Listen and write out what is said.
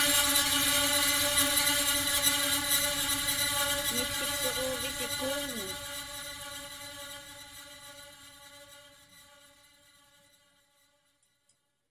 Niksiksuġuuvisi kuuŋmi?